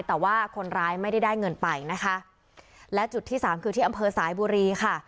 แต่ว่าคนร้ายไม่ได้ได้เงินไปนะคะและจุดที่สามคือที่อำเภอสายบุรีค่ะ